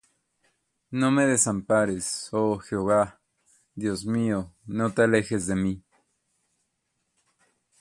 No me desampares, oh Jehová: Dios mío, no te alejes de mí.